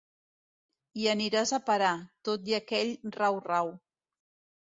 Hi aniràs a parar, tot i aquell rau rau.